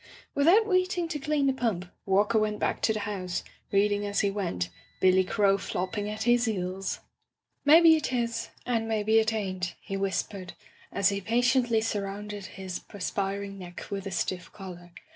'" Without waiting to clean the pump. Walker went back to the house, reading as he went, Billy Crow flopping at his heels. "Maybe it is and maybe it ain't,'* he whispered, as he patiently surrounded his Digitized by LjOOQ IC By the Sawyer Method perspiring neck with a stiff collar.